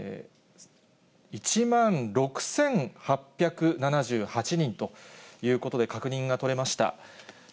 １万６８７８人ということで、確認が取れました。